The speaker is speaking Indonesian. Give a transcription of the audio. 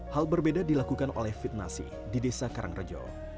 hal berbeda dilakukan oleh fitnasi di desa karangrejo